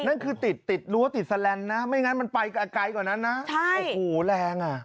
นั่นคือติดรั้วติดแซลนด์นะไม่งั้นมันไปกว่าก่อนนะใช่โอ้โหแรงอ่ะ